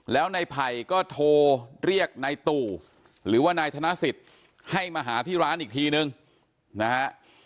แล้วนายไผ่ก็โทรเรียกนายตู่หรือว่านายธนสิทธิ์ให้มาหาที่ร้านอีกทีนึงนะฮะ